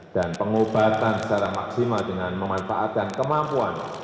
dan pengobatan secara maksimal dengan memanfaatkan kemampuan